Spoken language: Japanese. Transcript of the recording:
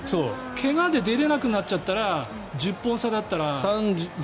怪我で出れなくなっちゃったら１０本差だったら。